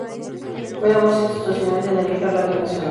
Fue la voz institucional de la vieja radio Nacional.